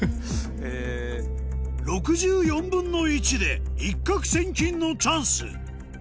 ６４分の１で一獲千金のチャンス